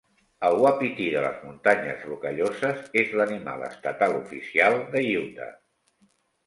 El uapití de les Muntanyes Rocalloses és l'animal estatal oficial de Utah.